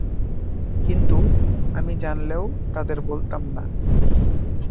কিন্তু আমি জানলেও তাদের বলতাম না।